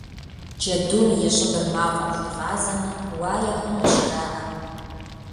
Джэдум и щӏыбыр мафӏэм хуигъазэмэ, уае хъунущ, жаӏэ.